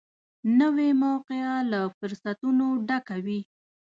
نوې موقعه له فرصتونو ډکه وي